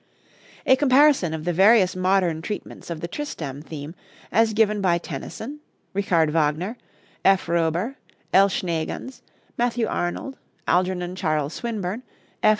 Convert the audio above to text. A comparison of the various modern treatments of the Tristram theme, as given by Tennyson, Richard Wagner, F. Roeber, L. Schneegans, Matthew Arnold, Algernon Charles Swinburne, F.